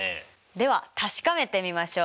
では確かめてみましょう！